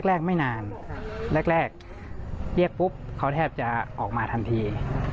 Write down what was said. แรกไม่นานแรกเรียกปุ๊บเขาแทบจะออกมาทันที